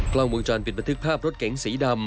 กล้องวงจรปิดบันทึกภาพรถเก๋งสีดำ